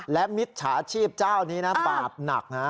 และมิจฉาชีพเจ้านี้นะบาปหนักนะ